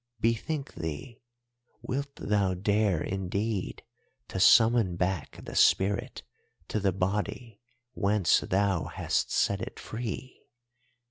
Bethink thee, wilt thou dare indeed to summon back the spirit to the body whence thou hast set it free?